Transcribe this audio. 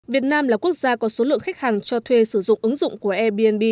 việt nam là quốc gia có số lượng khách hàng cho thuê sử dụng ứng dụng của airbnb